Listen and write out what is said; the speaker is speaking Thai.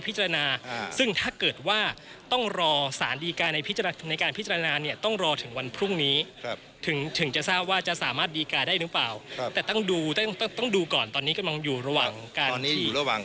ประนานเนี่ยต้องรอถึงวันพรุ่งนี้ถึงถึงจะทราบว่าจะสามารถดีการ์ได้หรือเปล่าแต่ต้องดูต้องดูก่อนตอนนี้กำลังอยู่ระหว่างการนี้อยู่ระหว่างรอ